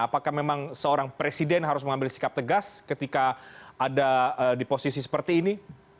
apakah memang seorang presiden harus mengambil sikap tegas ketika ada di posisi seperti ini